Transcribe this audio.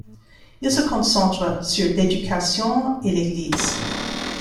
Il se concentre sur l'éducation et l'église.